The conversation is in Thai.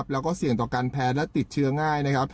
แล้วก็เสี่ยงต่อการแพ้และติดเชื้อง่ายนะครับ